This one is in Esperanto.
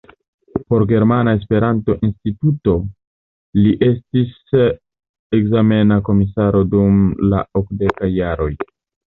Por Germana Esperanto-Instituto li estis ekzamena komisaro dum la okdekaj jaroj.